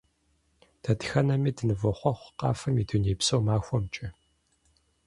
Дэтхэнэми дынывохъуэхъу Къафэм и дунейпсо махуэмкӀэ!